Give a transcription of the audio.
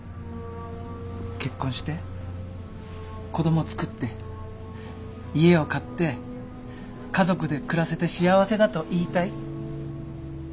結婚して子供作って家を買って家族で暮らせて幸せだと言いたい。